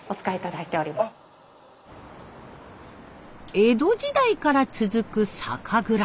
江戸時代から続く酒蔵。